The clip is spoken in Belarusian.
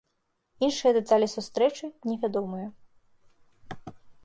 Іншыя дэталі сустрэчы невядомыя.